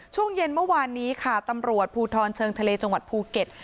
ช่วงเย็นเมื่อวานนี้ค่ะตำรวจภูทรเชิงทะเลจังหวัดภูเก็ต